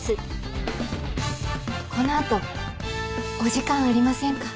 この後お時間ありませんか？